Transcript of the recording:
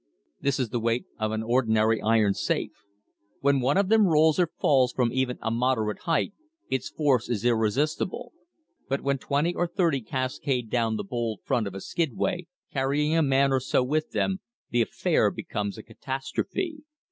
This is the weight of an ordinary iron safe. When one of them rolls or falls from even a moderate height, its force is irresistible. But when twenty or thirty cascade down the bold front of a skidway, carrying a man or so with them, the affair becomes a catastrophe.